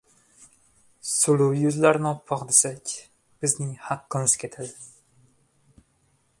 Suluv yuzlarini oppoq desak, bizning haqimiz ketadi.